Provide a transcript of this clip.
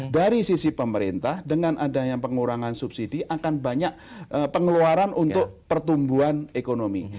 dari sisi pemerintah dengan adanya pengurangan subsidi akan banyak pengeluaran untuk pertumbuhan ekonomi